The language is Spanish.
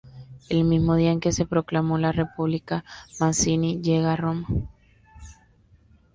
El mismo día en que se proclamó la República, Mazzini llega a Roma.